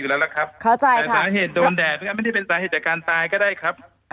แล้วสาเหตุโดนแดดนะครับไม่ได้เป็นสาเหตุจากการตายก็ได้ครับ